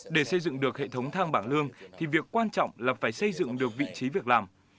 để xây dựng được hệ thống thang bảng lương thì việc quan trọng là phải xây dựng được vị trí việc làm